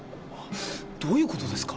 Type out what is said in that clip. どういうことですか？